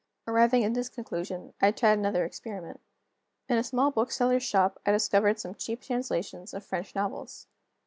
Arriving at this conclusion, I tried another experiment. In a small bookseller's shop I discovered some cheap translations of French novels.